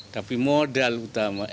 tapi modal utama